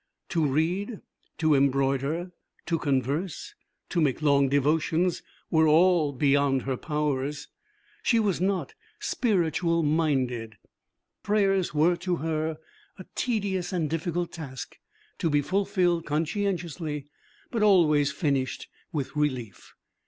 To read, to embroider, to converse, to make long devotions, were all beyond her powers. She was not 'spiritual minded.' Prayers were to her a tedious and difficult task, to be fulfilled conscientiously but always finished with relief.